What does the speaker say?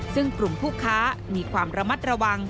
ซึ่งกลุ่มผู้ค้ามีความระมัดระวัง